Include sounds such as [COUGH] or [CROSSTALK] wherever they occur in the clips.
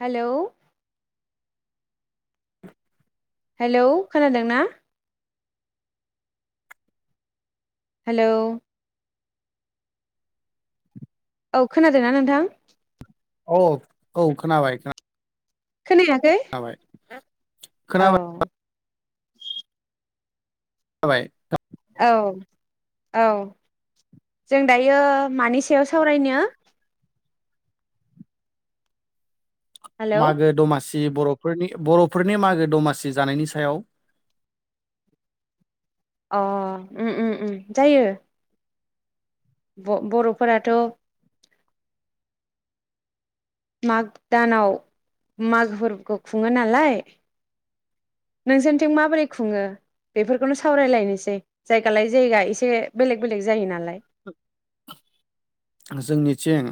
Hello. [INAUDIBLE] Hello खोनादों ना? Hello. औ खोनादोंना नोंथां? औ औ खोनाबाय खो खोनायाखै हाबाय। औ। खोनाबाय [UNINTELLIGIBLE] औ औ जों दायो मानि सायाव सावरायनो हेलौ मागो दमासि बर'फोरनि बर'फोरनि मागो दमासि जानायनि सायाव। अ उम उम उम जायो। ब' बर'फोराथ' माग दानाव मागोफोरखौ खुङो नालाय नोंसोरनिथिं माबोरै खुङो बेफोरखौनो सावरायलायनोसै जायगा लाय जायगा एसे बेलेग बेलेग जायो नालाय। जोंनिथिं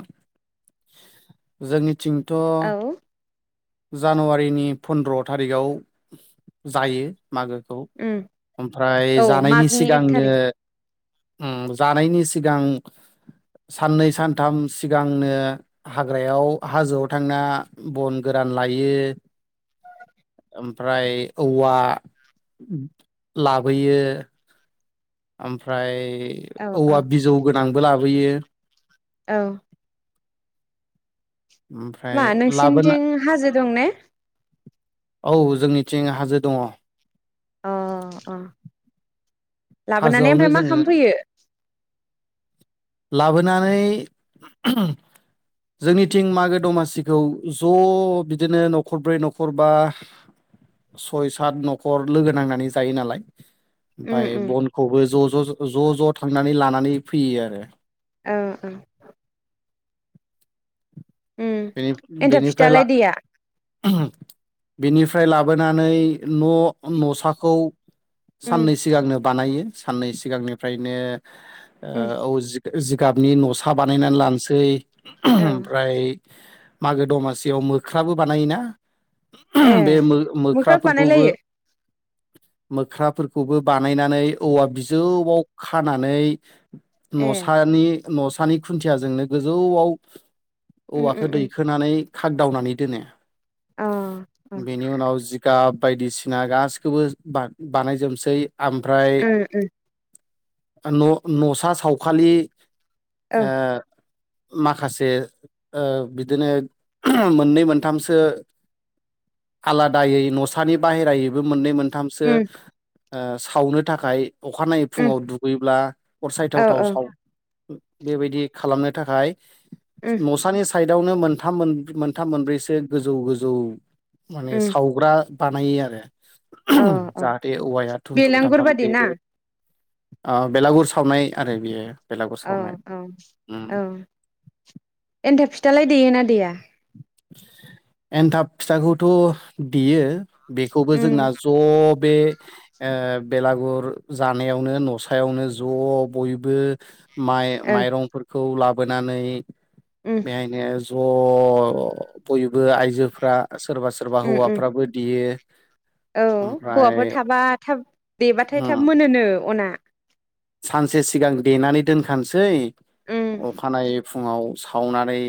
जोंनिथिं थ' औ जानुवारिनि फन्द्र' थारिखाव जायो। मागोखौ उम ओमफ्राय औ जानायनि मागनि एक सिगांनो थारिख ओम जानायनि सिगां साननै सानथाम सिगांनो हाग्रायाव हाजोआव थांना बन' गोरान लायो। ओमफ्राय औवा लाबोयो। ओमफ्राय औ औ औवा बिजौ गोद आंबो लाबोयो। औ। मा ओमफ्राय लाबोना नोंसिनिथिं हाजो दं ने? औ जोंनिथिं हाजो दङ। अ अ। लाबोनानै हाजोआवनो ओमफ्राय मा जोङो खालामफैयो? लाबोनानै जोंनिथिं मागो दमासिखौ ज' बिदिनो न'खर ब्रै न'खर बा सय सात न'खर लोगो नांनानै जायो नालाय। उम ओमफाय उम बनखौबो ज' ज' ज' ज' थांनानै लानानै फैयो आरो। औ औ। ओम बेनि एन्थाब बेनिफ्राय ला फिथालाय देया? बेनिफ्राय लाबोनानै न' न'साखौ उम साननै सिगांनो बानायो साननै सिगांनिफ्रायनो उम ओ औ जि जिगाबनि न'सा बानायनानै लानोसै औ ओमफ्राय मागो दमासियाव मोख्राबो बानायोना ए बे मोख मोख्राब मोख्राफोरखौबो बानायलायो मोख्राफोरखौबो बानायनानै औवा बिजौआव खानानै [UNINTELLIGIBLE] ए न'सानि न'सानि खुन्थियाजोंनो गोजौआव उम औवाखौ उम उम दैखोनानै खागदावनानै दोनो अ बेनि उनाव जिगाब बायदिसिना गासिखौबो बानायजोबनोसै ओमफ्राय अ उम उम न न'सा सावखालि औ ओ माखासे ओ बिदिनो मोननै मोनथामसो आलादायै न'सानि बाहेरायैबो मोननै मोन थामसो उम ओ सावनो थाखाय अखानायै उम फुङाव दुगैब्ला औ अरसायथाव थाव औ साव बेबायदि खालामनो थाखाय उम न'सानि साइडआवनो मोनथाम मोन मोनथाम मोनब्रैसो गोजौ गोजौ माने उम सावग्रा बानायो आरो औ औ जाहाथे औवाया धुम धुम बेलांगुर धामधाम बादि ना बेरो ओ बेलागुर सावनाय आरो बेयो बेलागुर औ सावनाय औ उम औ एन्थाब फिथालाय देयोना देया एन्थाब फिथाखौथ' देयो बेखौबो जोंना उम ज'ब बे ओ बेलागुर जानायावनो न'सायावनो ज' बयबो माइ ओं माइरंफोर खौ लाबोनानै उम बेयायनो। ज' बयबो आइजोफ्रा। सोरबा सोरबा उम उम हौवाफ्राबो देयो। औ ओमफ्राय हौवाफोर थाबा थाब देबाथाय थाब उम मोनोनो अना सानसे सिगां देनानै दोनखानोसै। उम अखानायै। फुङाव सावनानै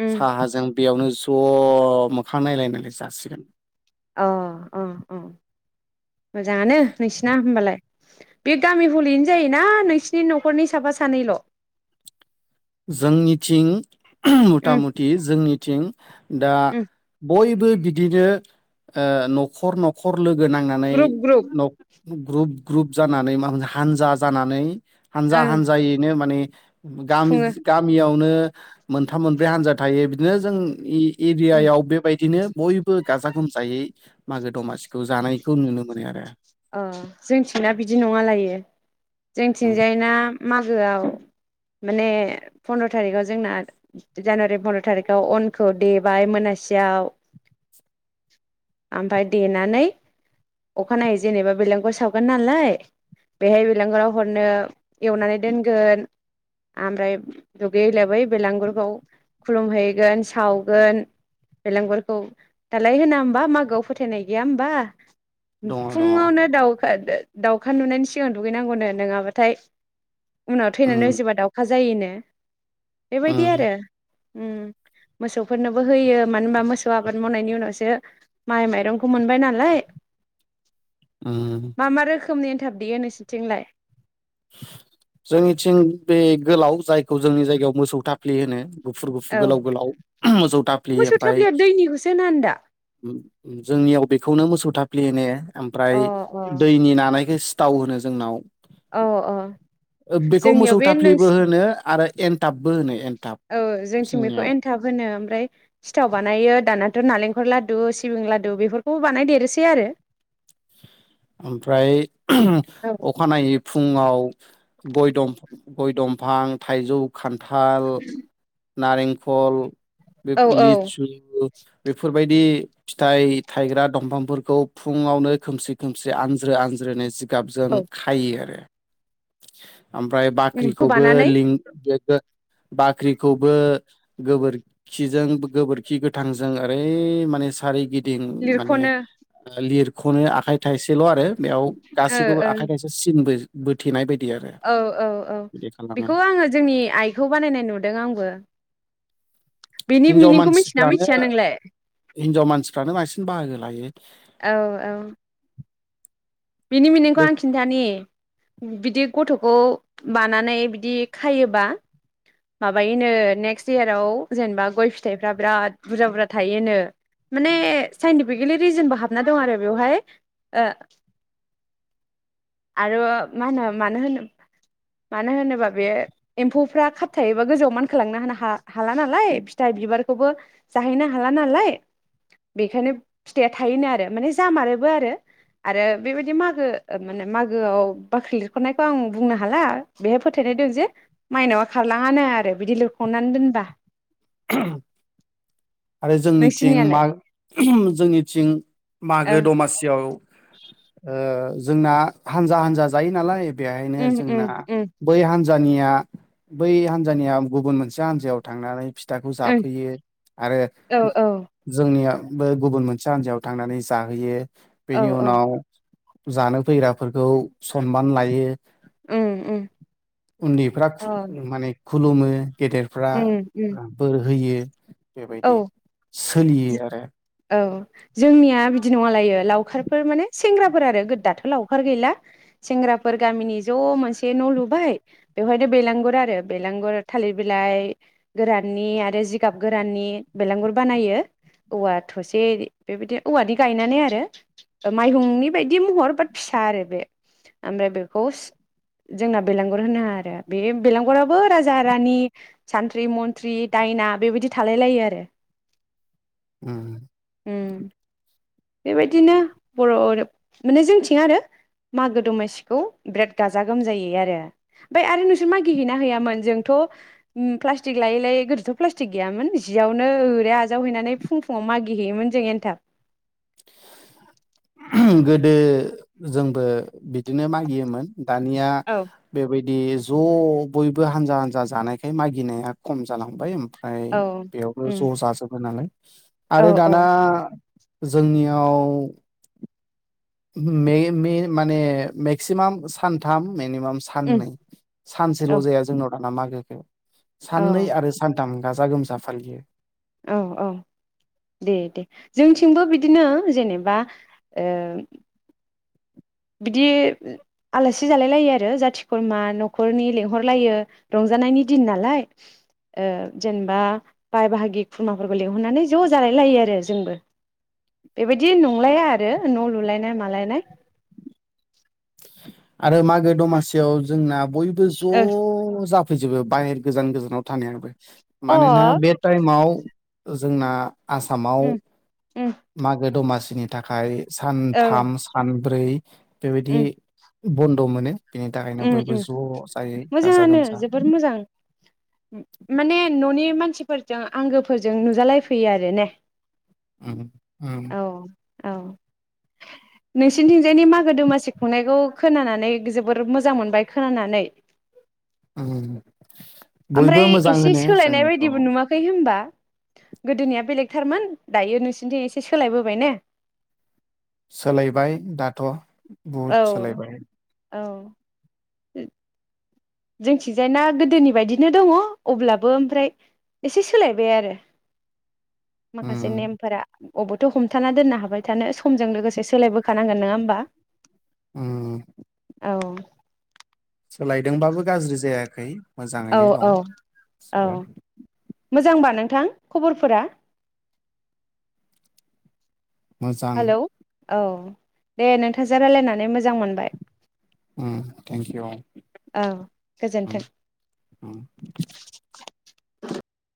उम साहाजों बेयावनो ज' मोखां नायलाय नायलाय जासिगोन। अ अ अ। मोजाङानो नोंसिना होमबालाय‌। बे गामि हलिनो जायोना नोंसिनि न'खरनि साफा सानैल'। जोंनिथिं। उम मथा मथि जोंनि। थिं। दा उम बयब। बिदिनो ओ न'ख न'खर लोगो। गोनांनानै ग्रुप ग्रुप न'ख। ग्रुप ग्रुप जानानै माबा हानजा जानानै। हानजा ओं हानजायैनो माने। गामि। खुङो मियावनो मोनथाम मोनब्रै हान्जा थायो बिदिनो जों इ। उम एरियायाव बेबायदिनो। बयबो गाजा गोमजायै मागो दमासिखौ जानायखौ नुनो मोनो आरो। अ जोंथिंना बिदि नङालायो। उम जोंथिंजाय ना मागोआव। माने फन्द्र' थारिखाव जोंना जानुवारि फन्द्र' थारिखआव अनखौ देबाय मोनासियाव ओमफफ्राय देनानै अखानायै। जेनेबा बेलांगुर सावगोन नालाय बेहाय बेलांगुराव हरनो एवनानै दोनगोन ओमफ्राय दुगैहैलि बै बेलांगुरखौ खुलुमहैगोन सावगोन बेलांगुरखौ दालाय होना होमबा मागोआव फोथायनाय गैया होमबा। दङ दङ। फुङावनो दाउखा दाउखा नुनायनि सिगांनो दुगैनांगौनो नङाबाथाय। उनाव थैनानै उम उजिबा दाउखाजा। जायोनो। बेबायदि उम आरो। उम मोसौफोरनोबो होयो मानो होनबा मोसौ आबाद मावनायनि उनावसो माइ माइरंखौ मोनबाय नालाय। उम मा मा रोखोमनि एनथाब देयो नोंसोरनिथिंलाय? जोंनिथिं बे गोलाव जायखौ जोंनि जायगायाव मोसौ थाफ्लि होनो। गुफुर गुफुर औ गोलाव गोलाव मोसौ थाफ्लि मोसौ ओमफाय थाफ्लिया दैनिखौसो होना होनदा जोंनियाव बेखौनो मोसौ थाफ्लि ए ने ओमफ्राय अ दैनि नानायखो थाव होनो जोंनाव। अ अ ओ बेखौ जोंनियाव मोसौ बे थाफ्लिबो नोंसि होनो आरो एनथाबबो होनो एन औ जोंथिं बेखौ एनथाब होनो ओमफ्राय सिथाव बानायो दाना थ' नारेंखल लादु सिबिं लादु बेफोरखौ बानायदेरोसै आरो। ओमफ्राय अखानायै फुङाव गय दं गय दंफां थाइजौ खान थाल नारेंखल बेफोर लिसु बेफोरबायदि फिथाइ थायग्रा दंफांफोरखौ फुङावनो खोमसि खोमसि आनज्रो आनज्रोनि सि गाबजों खायो आरो। [INAUDIBLE] ओमफ्राय बाख्रिखौबो बानानै लिं बाख्रिखौबो गोबोरखिजों गोबोरखि गोथांजों ओरै माने सारिगिद दिन माने लिरख'नो लिर खनो आखाइ थाइसे सेल आरो बेयाव ओ गासैखौबो ओं आखाइ थायसे सिन बो बोथेनाय बायदि आरो औ औ औ बिदि खालामो बेखौ आङो जोंनि आइखौ बानायनाय नुदों आंबो। बिनि हिनजाव मिनिंखौ मिथिना मानसिफ्रानो मिथिया नोंलाय? हिनजाव मानसिफ्रानो बांसिन बाहागो लायो। औ औ बिनि मिनिंखौ बे आं खिन्थानि बिदि गथ'खौ बानानै बिदि खायोबा माबायोनो नेक्स्ट इयाराव जेनेबा गय फिथाइफ्रा बिराद बुरजा बुरजा थायोनो माने साइन्टिफिकेलि रिजोनबो हाबना दं आरो बेवहाय ओ आरो मा होनो मानो होनो मानो होनोबा बे एम्फौफ्रा खाबथायायोबा गोजौआव मानखोलांनो हा-हाला नालाय फिथाइ बिबारखौबो जाहैनो हाला नालाय बेखायनो फिथाइया थायोनो आरो माने जामारोबो आरो, आरो बेबायदि मागो माने मागोआव बाख्रि लिरख'ननायखौ आं बुंनो हाला बेहाय फोथायनाय दं जे माइनावआ खारलाङानो आरो बिदि लिरख'ननानै दोनबा। आरो जोंनिथिं मा नोंसिनियालाय जोंनिथिं मागो ओ दमासियाव ओ जोंना हानजा हानजा जायो नालाय बेहायनो उम उम जोंना उम बै हानजा हानजानिया बै हान्जानिया गुबुन मोनसे हान्जायाव थांनानै फिथाखौ उम जाफैयो आरो औ औ जोंनिया बे गुबुन मोनसे हान्जायाव थांनानै जाहैयो औ बेनि औ उनाव जानो फैग्राफोरखौ सनमान लायो। उम उम उन्दैफ्रा खु अ माने खुलुमो गेदेरफ्रा उम उम ओ बोर होयो बेबायदि औ जो सोलियो आरो। औ जोंनिया बिदि नङालायो लावखारफोर माने सेंग्राफोर आरो दाथ' लावखार गैला सेंग्राफोर गामिनि ज' मोनसे न' लुबाय बेवहायनो बेलांगुर आरो बेलांगुर थालिर बिलाइ गोराननि आरो जिगाब गोराननि बेलांगुर बानायो औवा थसे बेबायदि औवानि गायनानै आरो माइहुंनि बायदि महर बाट फिसा आरो बे ओमफ्राय बेखौ जोंना बेलांगुर होनो आरो बे बेलांगुराबो राजा रानि सानथ्रि मन्थ्रि दायना बेबायदि थालाय लायो आरो उम। उम बेबायदिनो बर' माने जोंनिथिं आरो मागो दमासिखौ बिराद गाजा गोमजायै आरो ओमफ्राय आरो नोंसोर मागि हैैयोना हैैयामोन जोंथ' प्लास्टिक लायै लायै गोदोथ' प्लास्टिक गैयामोन जियावनो ओरै आजावहैनानै फुं फुङाव मागि हैैयोमोन जों एनथाब। गोदो जोंबो बिदिनो मागियोमोन। दानिया औ बेबायदि बि ज' बयबो हानजा हानजा जानायखाय मागिनाया खम जालांबाय। ओमफ्राय बेयावनो उम ज' जाजोबो नालाय औ आरो दाना जोंनियाव मे मे माने मेक्सिमाम सानथाम मिनिमाम उम साननै सानसेल' औ जाया जोंनाव मागोखौ। औ साननै आरो सान थामम गाजा गोमजायै फालियो। औ औ दे दे जोंनिथिंबो बिदिनो जेनेबा ओ बिदि आलासि जालाय लायो आरो जाथि खुरमा न'खरनि लेंंहरलायो रंजानायनि दिन नालाय। ओ जेनेबा बाय बाहागि खुरमाफोरखौ लेंंहरनानै ज' जालाय लायो आरो जोंबो। बेबायदि नंलाया आरो न' लुलायनाय मालायनाय आरो मागो दमासियाव जोंना बयबो ज' जा फैजोबो बाहेर गोजान गोजानाव थानायाबो ओ मानोना अ बे टाइमाव जोंना आसामाव उम उम मागो दमासि नि थाखाय औ सानथाम सान ब्रै उम बेबायदि बद। दं माने। बिनि थाखायनो उम बयबो उम ज' जायो गाजा मोजाङानो गोमजा। जोबोद मोजां माने ननि। बे मानसिफोरजों आंगोफोरजों नुजालायफैयो आरो ने। उ उ। औ औ नोंसिनिथिंजायनि मागो दमासि खुंनायखौ खोनानानै जोब। जोबोर मोजां मोनबाय खोनानानै। बयबो ओमफ्राय मोजां एसे होनो जों सोलायनाय बेखौ। बायदिबो नुवाखै होमबा गोदोनिया बेलेगथारमोन दायो नोंसोरनिथिं एसे सोलायबोबाय ने। सोलायबाय दाथ'। औ बहुत सोलायबाय। औ। ए। जोंथिजाय ना गोदोनि बायदिनो दङ अब्लाबो ओमफ्राय एसे सोलायबाय आरो। उम माखासे नेमफोरा। अबेथ' हमथाना दोननो हाबाय थानो समजों लोगोसे सोलायबोखानांगोन नङा होमबा। उम औ। सोलायदोंबाबो गाज्रि जाया। खै। औ मोजाङैनो औ दं औ गबो। मोजांबा नोंथां खबरफोरा। मोजां। हेलौ औ दे नोंथांजों राय्लायनानै मोजां मोनबाय। उ थेंक इउ औ गोजोन्थों उ उ।